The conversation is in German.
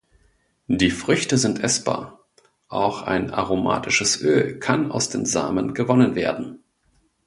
Die Früchte sind essbar, auch ein aromatisches Öl kann aus den Samen gewonnen werden.